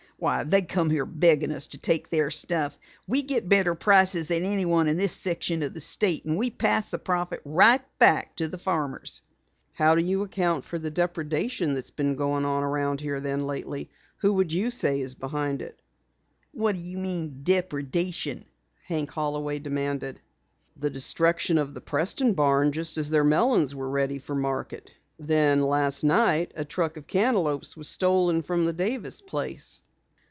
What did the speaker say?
"Why they come here begging us to take their stuff! We get better prices than anyone in this section of the state, and we pass the profit right back to the farmers." "How do you account for the depredation that's been going on around here lately? Who would you say is behind it?" "What d'you mean, depredation?" Hank Holloway demanded. "The destruction of the Preston barn just as their melons were ready for market. Then last night a truck of cantaloupes was stolen from the Davis place."